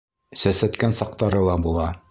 Сәсәткән саҡтары ла була.